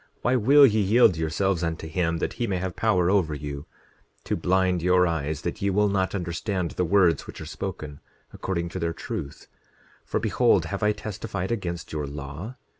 Why will ye yield yourselves unto him that he may have power over you, to blind your eyes, that ye will not understand the words which are spoken, according to their truth? 10:26 For behold, have I testified against your law?